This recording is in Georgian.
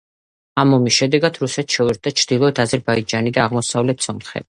ამ ომის შედეგად რუსეთს შეუერთდა ჩრდილოეთ აზერბაიჯანი და აღმოსავლეთ სომხეთი.